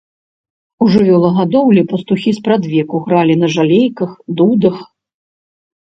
У жывёлагадоўлі пастухі спрадвеку гралі на жалейках, дудах.